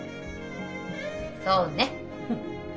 そうね。